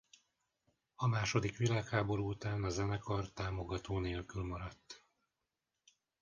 A második világháború után a zenekar támogató nélkül maradt.